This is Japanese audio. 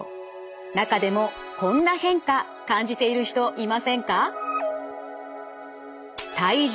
中でもこんな変化感じている人いませんか？